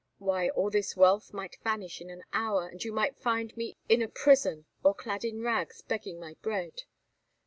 Why, all this wealth might vanish in an hour, and you might find me in a prison, or clad in rags begging my bread.